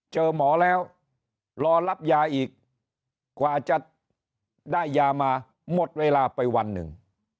เจอหมอแล้วรอรับยาอีกกว่าจะได้ยามาหมดเวลาไปวันหนึ่ง